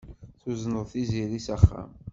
Tuzneḍ Tiziri s axxam.